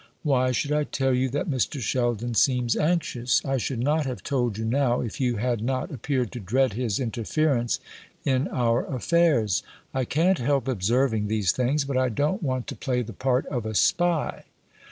"Why should I tell you that Mr. Sheldon seems anxious? I should not have told you now, if you had not appeared to dread his interference in our affairs. I can't help observing these things; but I don't want to play the part of a spy."